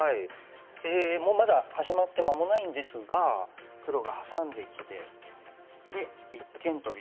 まだ始まって間もないんですが黒がハサんできてで一間トビ。